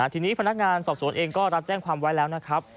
ทีนี้พนักงานสอบสวนเองก็รับแจ้งความไว้แล้วนะครับ